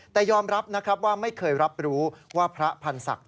แต่ยอมรับว่าไม่เคยรับรู้ว่าพระพันศักดิ์